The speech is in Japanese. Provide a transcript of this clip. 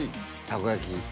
たこ焼き